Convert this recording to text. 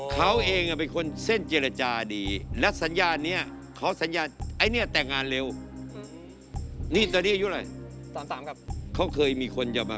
เขาเองเป็นคนเส้นเจรจาดี